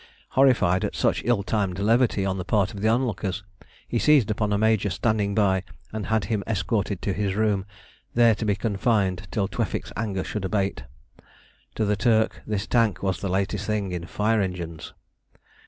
Horrified at such ill timed levity on the part of the onlookers, he seized upon a major standing by and had him escorted to his room, there to be confined till Tewfik's anger should abate. To the Turk this tank was the latest thing in fire engines.